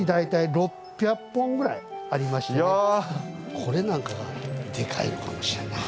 これなんかがデカいのかもしれんな。